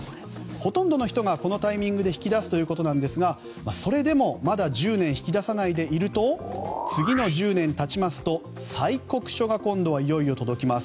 ほとんどの人がこのタイミングで引き出すということですがそれでも、まだ１０年引き出さないでいると次の１０年経ちますと催告書が今度はいよいよ届きます。